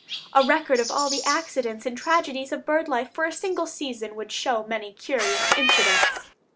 A record of all the accidents and tragedies of bird life for a single season would show many curious incidents.